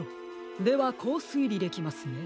ではこうすいりできますね。